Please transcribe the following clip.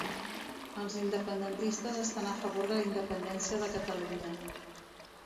Els independentistes estan a favor de la independència de Catalunya.